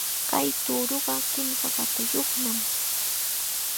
Kay tuuruqa kimsa watayuqnam